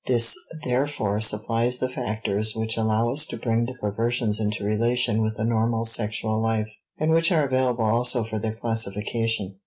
This therefore supplies the factors which allow us to bring the perversions into relation with the normal sexual life, and which are available also for their classification.